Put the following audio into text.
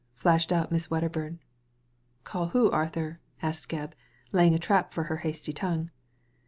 flashed out Miss Wedderbum. " Call who Arthur ?" asked Gebb, laying a trap for her hasty tongue.